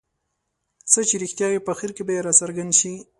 څه چې رښتیا وي په اخر کې به یې راڅرګند شي.